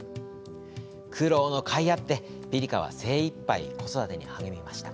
苦労のかいあって、ピリカは精いっぱい子育てに励みました。